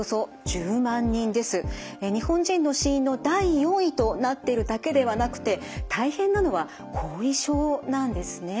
日本人の死因の第４位となってるだけではなくて大変なのは後遺症なんですね。